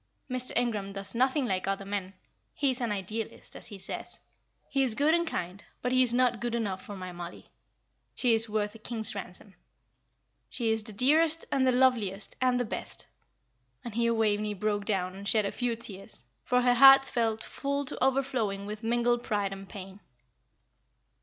Mr. Ingram does nothing like other men; he is an Idealist, as he says. He is good and kind, but he is not good enough for my Mollie. She is worth a king's ransom; she is the dearest, and the loveliest, and the best;" and here Waveney broke down and shed a few tears, for her heart felt full to overflowing with mingled pride and pain.